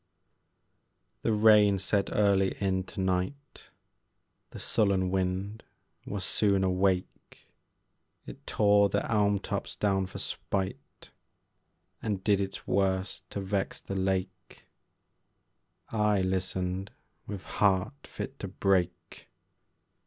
The rain set early in to night, The sullen wind was soon awake, It tore the elm tops down for spite, And did its worst to vex the lake: I listened with heart fit to break.